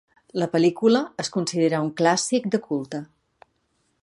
La pel·lícula es considera un clàssic de culte.